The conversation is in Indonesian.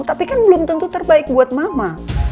tapi kan belum tentu terbaik buat mama